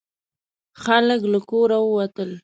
خلک له کوره ووتل.